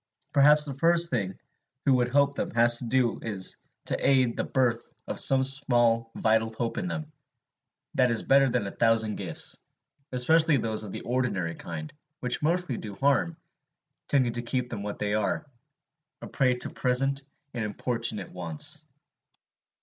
Perhaps the first thing one who would help them has to do is to aid the birth of some small vital hope in them; that is better than a thousand gifts, especially those of the ordinary kind, which mostly do harm, tending to keep them what they are, a prey to present and importunate wants.